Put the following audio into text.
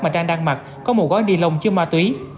trang đang mặc có một gói ni lông chứa ma túy